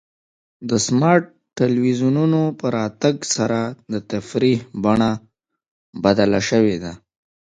د سمارټ ټلویزیونونو په راتګ سره د تفریح بڼه بدله شوې ده.